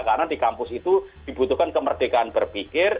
karena di kampus itu dibutuhkan kemerdekaan berpikir